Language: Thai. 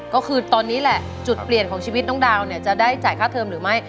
ก็คือตอนนี้แหละจุดเปลี่ยนของชีวิตน้องดาวเนี่ยจะได้จ่ายค่าเทิมหรือไม่